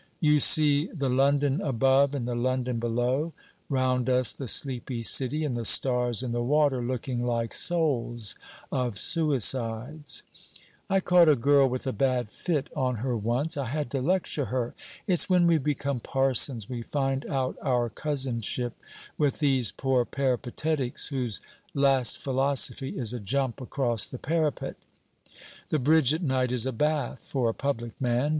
You see the London above and the London below: round us the sleepy city, and the stars in the water looking like souls of suicides. I caught a girl with a bad fit on her once. I had to lecture her! It's when we become parsons we find out our cousinship with these poor peripatetics, whose "last philosophy" is a jump across the parapet. The bridge at night is a bath for a public man.